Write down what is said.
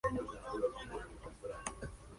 Desde ahí pone rumbo a Bitinia y Constantinopla.